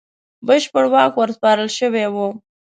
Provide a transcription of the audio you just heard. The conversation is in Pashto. بشپړ واک ورسپارل شوی وو.